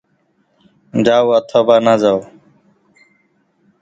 যাও অথবা না যাও?